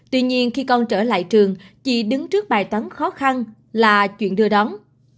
tuy nhiên khi con trở lại trường chị đứng trước bài toán khó khăn là chuyện đưa đón